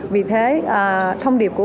vì thế thông điệp của